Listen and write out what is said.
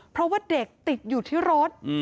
เพราะว่าเด็กติดอยู่ที่รถ